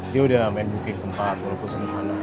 dia udah main booking tempat walaupun senang anak